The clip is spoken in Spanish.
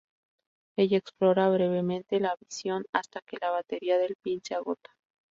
Ella explora brevemente la visión hasta que la batería del pin se agota.